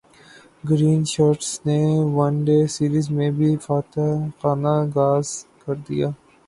green shirts نے one day series میں بھی فاتحانہ غاز کر دیا